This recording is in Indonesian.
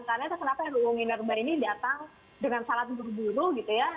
karena itu kenapa undang undang minerba ini datang dengan salat berburu gitu ya